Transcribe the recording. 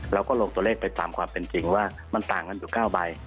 เราก็ลงตัวเลขไปตามความเป็นจริงว่ามันต่างกันอยู่๙ใบ